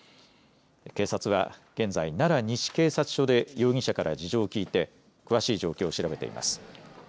警察は現在奈良西警察署で容疑者から事情を聴いて詳しい状況を調べています。